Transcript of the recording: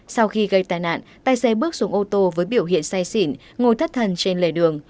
sau khi gây tai nạn tài xế bước xuống ô tô với biểu hiện say xỉn ngồi thất thần trên lề đường